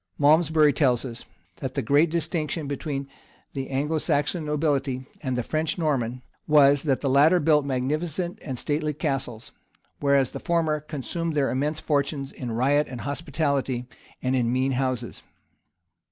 [] Malmsbury tells us,[] that the great distinction between the Anglo Saxon nobility and the French and Norman, was, that the latter built magnificent and stately castles; whereas the former consumed their immense fortunes in riot and hospitality, and in mean houses.